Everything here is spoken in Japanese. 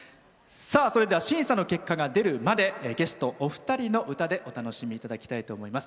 審査の結果が出るまでゲストお二人の歌でお楽しみいただきたいと思います。